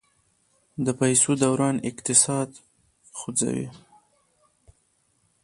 د پیسو دوران اقتصاد خوځوي.